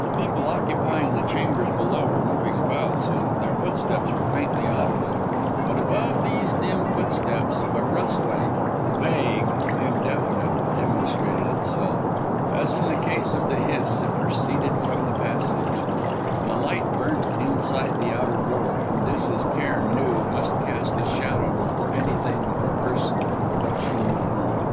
The people occupying the chambers below were moving about so that their footsteps were faintly audible; but, above these dim footsteps, a rustling vague, indefinite, demonstrated itself. As in the case of the hiss, it proceeded from the passage. A light burnt inside the outer door, and this, as Cairn knew, must cast a shadow before any thing or person approaching the room.